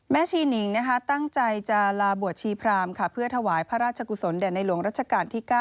ชีนิงตั้งใจจะลาบวชชีพรามเพื่อถวายพระราชกุศลแด่ในหลวงรัชกาลที่๙